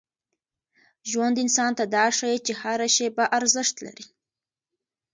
ژوند انسان ته دا ښيي چي هره شېبه ارزښت لري.